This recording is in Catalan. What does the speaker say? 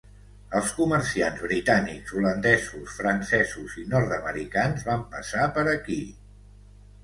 Els comerciants britànics, holandesos, francesos i nord-americans van passar per aquí.